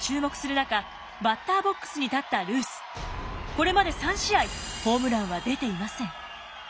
これまで３試合ホームランは出ていません。